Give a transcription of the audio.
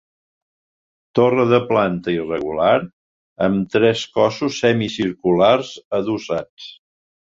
Torre de planta irregular amb tres cossos semicirculars adossats.